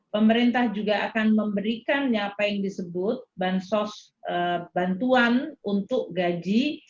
pemerintah juga akan memberikannya apa yang disebut bansos bantuan untuk gaji